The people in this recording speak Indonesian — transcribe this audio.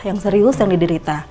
yang serius yang diderita